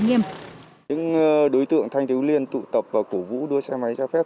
những đối tượng thanh thiếu liên tụ tập và cổ vũ đua xe máy tra phép